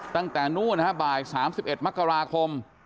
ตั้งแต่นู่นบ่าย๓๑มกราคม